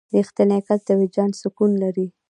• رښتینی کس د وجدان سکون لري.